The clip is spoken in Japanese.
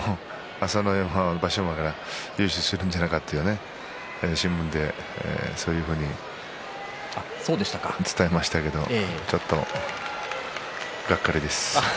朝乃山、場所前から優勝するんじゃないかと新聞でそういうふうに伝えましたけどちょっとがっかりです。